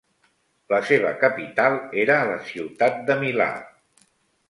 La seva capital era la ciutat de Milà.